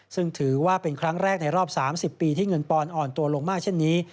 ซึ่งถือว่าเป็นครั้งแรกในรอบ๓๐ปีที่เงินปอนอ่อนตัวลงมากเช่นนี้